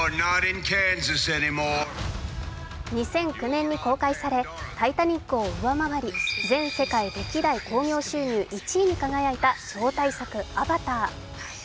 ２００９年に公開され、「タイタニック」を上回り全世界歴代興行収入１位に輝いた超大作「アバター」。